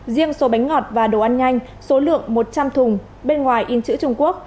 riêng số bánh ngọt và đồ ăn nhanh số lượng một trăm linh thùng bên ngoài in chữ trung quốc